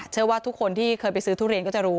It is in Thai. เชื่อว่าทุกคนที่เคยไปซื้อทุเรียนก็จะรู้